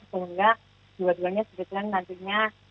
sehingga dua duanya sebetulnya nantinya